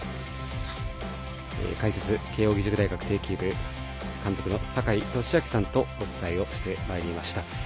解説、慶応義塾大学庭球部監督の坂井利彰さんとお伝えしてまいりました。